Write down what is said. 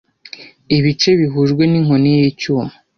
Ibice bihujwe ninkoni yicyuma.